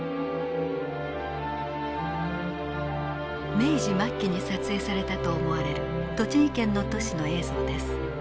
明治末期に撮影されたと思われる栃木県の都市の映像です。